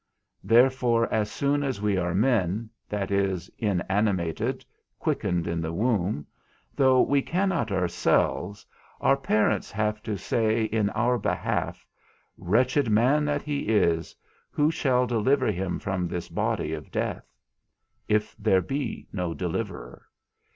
_ Therefore as soon as we are men (that is, inanimated, quickened in the womb), though we cannot ourselves, our parents have to say in our behalf, Wretched man that he is, who shall deliver him from this body of death? if there be no deliverer.